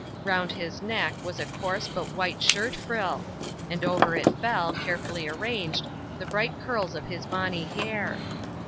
Round his neck was a coarse but white shirt frill; and over it fell, carefully arranged, the bright curls of his bonny hair.